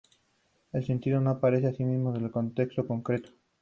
El sentido no aparece sino en un contexto concreto.